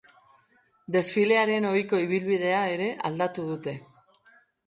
Desfilearen ohiko ibilbidea ere aldatu dute.